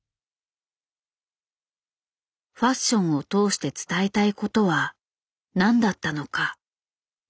ファッションを通して伝えたいことは何だったのか。